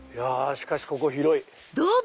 しかしここ広い。